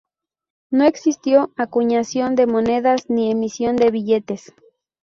No existió acuñación de monedas ni emisión de billetes.